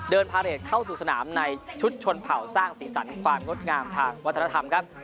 พาเรทเข้าสู่สนามในชุดชนเผ่าสร้างสีสันความงดงามทางวัฒนธรรมครับ